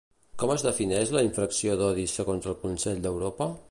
Com es defineix la infracció d'odi segons el Consell d'Europa?